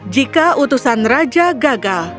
jika utusan raja gagal